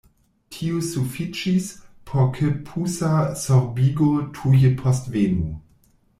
Tio sufiĉis, por ke pusa sorbigo tuje postvenu.